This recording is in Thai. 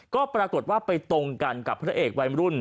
ก็ปรากฏว่าไปตรงกันกับพระเอกวัยมรุ่น